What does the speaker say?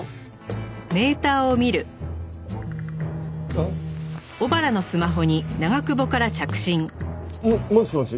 うん？ももしもし？